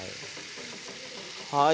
はい。